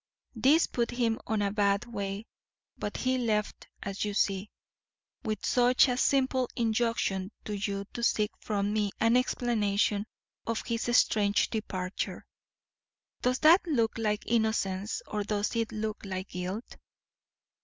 This put him in a bad way; but he left, as you see, with just a simple injunction to you to seek from me an explanation of his strange departure. Does that look like innocence or does it look like guilt?"